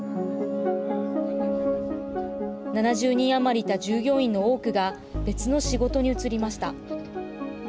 ７０人あまりいた従業員の多くが別の仕事に移りました。